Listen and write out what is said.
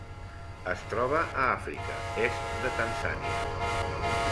Es troba a Àfrica: est de Tanzània.